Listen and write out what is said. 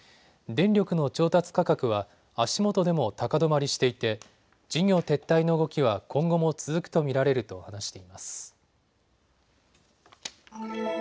電力の調達価格は足元でも高止まりしていて事業撤退の動きは今後も続くと見られると話しています。